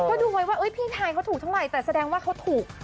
ก็ดูไว้ว่าพี่ไทยเขาถูกเท่าไหร่แต่แสดงว่าเขาถูก